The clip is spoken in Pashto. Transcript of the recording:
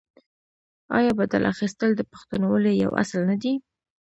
آیا بدل اخیستل د پښتونولۍ یو اصل نه دی؟